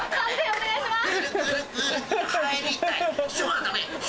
をお願いします。